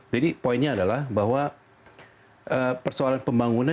jadi poinnya adalah bahwa persoalan pembangunan